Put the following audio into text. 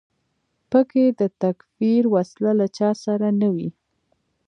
په کې د تکفیر وسله له چا سره نه وي.